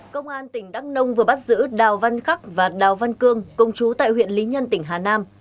công an tỉnh đắk nông vừa bắt giữ đào văn khắc và đào văn cương công chú tại huyện lý nhân tỉnh hà nam